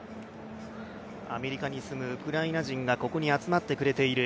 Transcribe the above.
アメリカに住むウクライナ人がここに集まってくれている。